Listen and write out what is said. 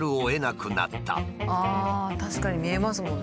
確かに見えますもんね。